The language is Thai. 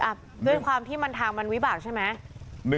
ด้วยความที่มันทางมันวิบากใช่ไหม